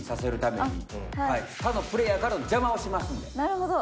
なるほど！